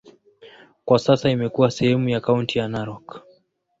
Kwa sasa imekuwa sehemu ya kaunti ya Narok.